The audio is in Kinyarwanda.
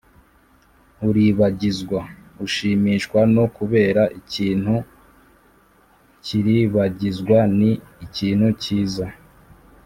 uribagizwa: ushimishwa no kubera ikintu k’iribagizwa ni ikintu kiza,